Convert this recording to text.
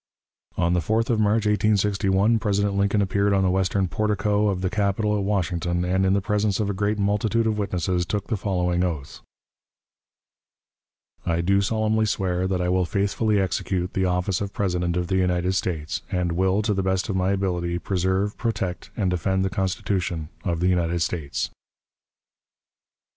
On the 4th of March, 1861, President Lincoln appeared on the western portico of the Capitol at Washington, and in the presence of a great multitude of witnesses took the following oath: "I do solemnly swear that I will faithfully execute the office of President of the United States, and will, to the best of my ability, preserve, protect, and defend the Constitution of the United States."